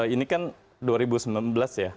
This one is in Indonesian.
ini kan dua ribu sembilan belas ya